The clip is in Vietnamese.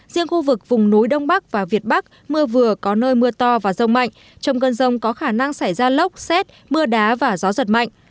riêng khu vực vùng núi đông bắc và việt bắc mưa vừa có nơi mưa to và rông mạnh trong cơn rông có khả năng xảy ra lốc xét mưa đá và gió giật mạnh